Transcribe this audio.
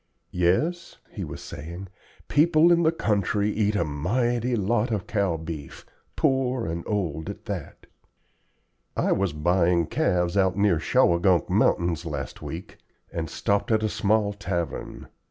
"Yes," he was saying, "people in the country eat a mighty lot of cow beef, poor and old at that. I was buying calves out near Shawangunk Mountains last week, and stopped at a small tavern.